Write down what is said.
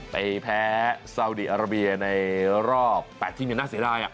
ไปแพ้ซาวดีอาราเบียในรอบ๘ทีมน่าเสียดาย